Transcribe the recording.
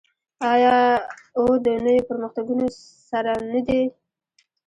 آیا او د نویو پرمختګونو سره نه دی؟